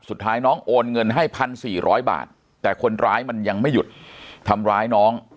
สุดท้ายน้องโอนเงินให้๑๔๐๐บาทแต่คนร้ายมันยังไม่หยุดทำร้ายน้อง